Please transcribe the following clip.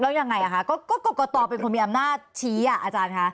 แล้วยังไงคะก็กรกตเป็นคนมีอำนาจชี้อ่ะอาจารย์คะ